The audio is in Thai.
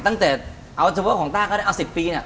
ตั้งแต่เอาเฉพาะของต้าก็ได้เอา๑๐ปีเนี่ย